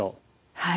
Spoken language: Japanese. はい。